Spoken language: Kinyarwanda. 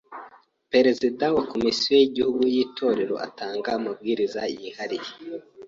Perezida wa Komisiyo y’Igihugu y’Itorero atanga amabwiriza yihariye